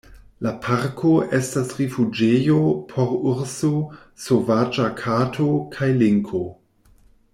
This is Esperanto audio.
La parko estas rifuĝejo por urso, sovaĝa kato kaj linko.